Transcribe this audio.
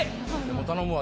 頼むわ。